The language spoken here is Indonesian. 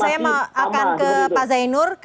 saya akan ke pak zainur